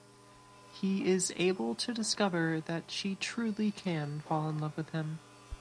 He is able to discover that she truly can fall in love with him.